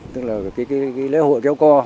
tức là cái lễ hội kéo co